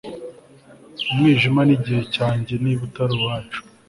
umwijima nigihe cyanjye niba utari uwacu